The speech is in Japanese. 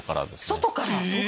外から！